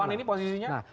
kalau pan ini posisinya